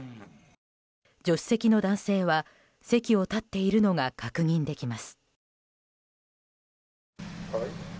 助手席の男性は席を立っているのが確認できます。